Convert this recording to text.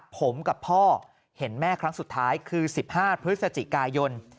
ผมกับพ่อเห็นแม่ครั้งสุดท้ายคือ๑๕พฤศจิกายน